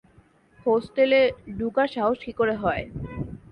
হোস্টেলে ডুকার সাহস কি করে হয়?